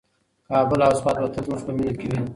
کابل او سوات به تل زموږ په مینه کې وي.